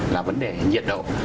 là vấn đề nhiệt độ